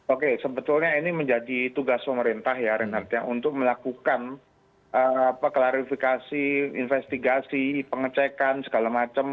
oke sebetulnya ini menjadi tugas pemerintah ya renard ya untuk melakukan klarifikasi investigasi pengecekan segala macam